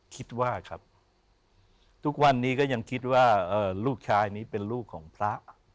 คิดว่าครับทุกวันนี้ก็ยังคิดว่าลูกชายนี้เป็นลูกของพระ